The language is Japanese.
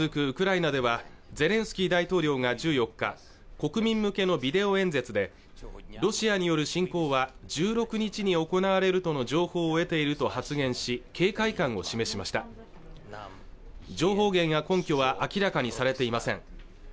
ウクライナではゼレンスキー大統領が１４日国民向けのビデオ演説でロシアによる侵攻は１６日に行われるとの情報を得ていると発言し警戒感を示しました情報源や根拠は明らかにされていません